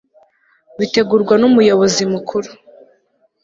bitegurwa nu muyobozi mukuru